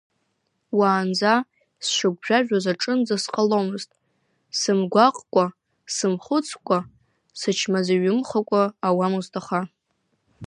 Уаанӡа сшыгәжәажәоз аҿынӡа сҟаломызт, сымгәаҟкәа, сымхәыцкәа, сычмазаҩымхакәа ауамызт аха.